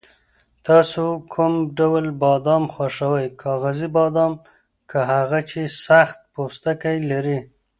تاسو کوم ډول بادام خوښوئ، کاغذي بادام که هغه چې سخت پوستکی لري؟